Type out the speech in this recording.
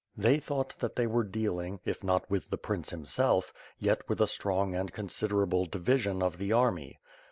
They thought that they were dealing, if not with the prince himself, yet with a strong and considerable division of the army.